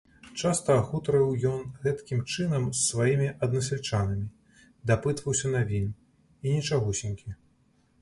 Часта гутарыў ён гэткім чынам з сваімі аднасяльчанамі, дапытваўся навін, і нічагусенькі.